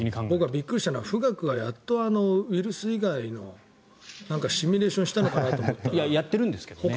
僕、びっくりしたのは富岳がやっとウイルス以外のシミュレーションしたのかなと思ったらやってるんです。